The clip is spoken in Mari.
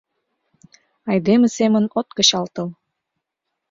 Айдеме семын от кычалтыл.